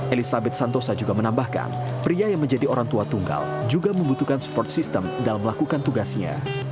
elizabeth santosa juga menambahkan pria yang menjadi orang tua tunggal juga membutuhkan support system dalam melakukan tugasnya